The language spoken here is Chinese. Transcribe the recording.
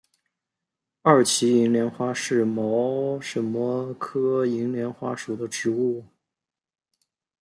二歧银莲花是毛茛科银莲花属的植物。